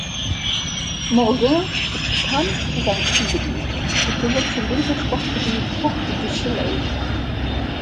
Morgins ist bekannt für sein Skigebiet und gehört zum Wintersportgebiet Portes du Soleil.